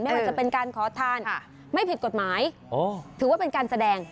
ว่าจะเป็นการขอทานไม่ผิดกฎหมายถือว่าเป็นการแสดง